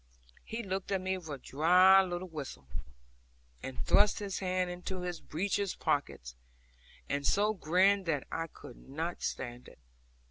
He looked at me with a dry little whistle, and thrust his hands into his breeches pockets, and so grinned that I could not stand it.